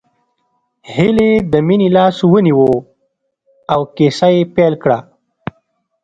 هيلې د مينې لاس ونيو او کيسه يې پيل کړه